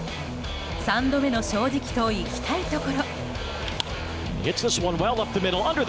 三度目の正直といきたいところ。